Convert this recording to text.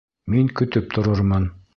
Мин көтөп торормон.